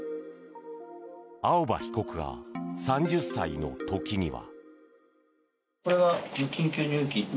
青葉被告が３０歳の時には。